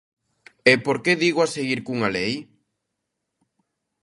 ¿E por que digo a seguir cunha lei?